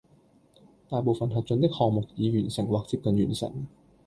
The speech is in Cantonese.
大部分核准的項目已完成或接近完成